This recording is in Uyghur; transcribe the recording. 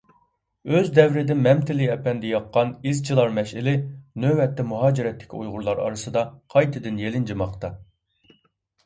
ئۆز دەۋرىدە مەمتىلى ئەپەندى ياققان «ئىزچىلار مەشئىلى» نۆۋەتتە مۇھاجىرەتتىكى ئۇيغۇرلار ئارىسىدا قايتىدىن يېلىنجىماقتا.